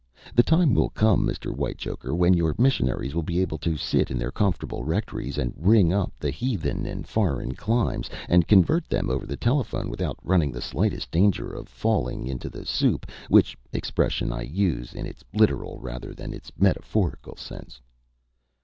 The time will come, Mr. Whitechoker, when your missionaries will be able to sit in their comfortable rectories, and ring up the heathen in foreign climes, and convert them over the telephone, without running the slightest danger of falling into the soup, which expression I use in its literal rather than in its metaphorical sense."